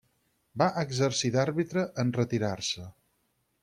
Va exercir d'àrbitre en retirar-se.